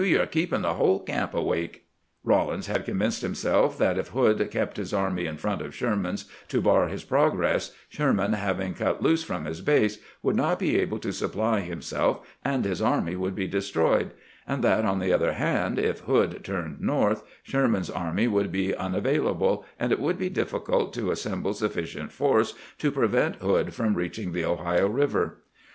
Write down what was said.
You 're keeping the whole camp awake." Rawlins had convinced himself that if Hood kept his army in front of Sherman to bar his progress, Sherman, having cut loose from his base, would not be able to supply himself, and his army would be destroyed; and that, on the other hand, if Hood turned north, Sherman's army would be unavailable, and it would be difficult to assemble sufficient force to prevent Hood from reaching the Ohio River.